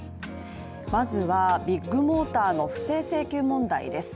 まずはビッグモーターの不正請求問題です。